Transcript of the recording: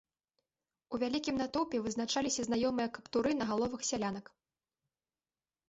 У вялікім натоўпе вызначаліся знаёмыя каптуры на галовах сялянак.